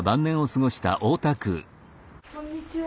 こんにちは。